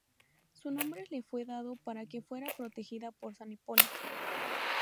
Su nombre le fue dado para que fuera protegida por San Hipólito.